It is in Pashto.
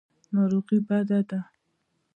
ناروغي بده ده.